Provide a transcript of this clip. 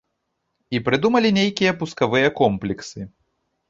І прыдумалі нейкія пускавыя комплексы.